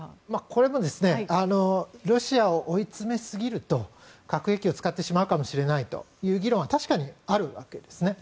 これもロシアを追い詰めすぎると核兵器を使ってしまうかもしれないという議論は確かにあるわけですね。